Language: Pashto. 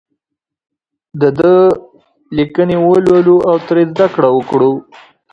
د ده لیکنې ولولو او ترې زده کړه وکړو.